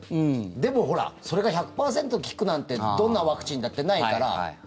でもほらそれが１００％効くなんてどんなワクチンだってないから。